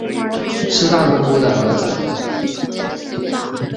是大姑姑的儿子